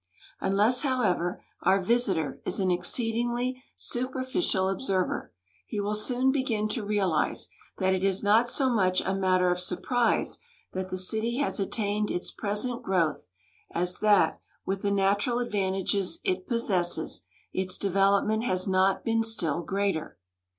Unless, however, our visitor is an exceedingly superfi cial observer, he will soon begin to realize that it is not so much a matter of surprise that the city has attained its present groAvth as that, with the natural advantages it possesses, its development has not been still greater.